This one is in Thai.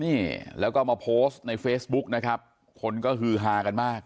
นี่แล้วก็มาโพสต์ในเฟซบุ๊กนะครับคนก็ฮือฮากันมาก